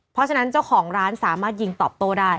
เพราะฉะนั้นเจ้าของร้านสามารถยิงตอบโต้ได้